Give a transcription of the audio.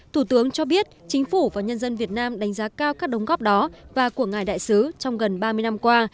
thủ tướng cho biết chính phủ và nhân dân việt nam đánh giá cao các đóng góp đó và của ngài đại sứ trong gần ba mươi năm qua